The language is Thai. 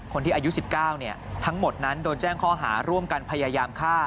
คนที่อายุ๑๙ทั้งหมดนั้นโดนแจ้งข้อหาร่วมกันพยายามฆ่า